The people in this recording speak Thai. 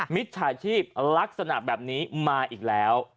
มิตรสถานที่ลักษณะแบบนี้มาอีกแล้ว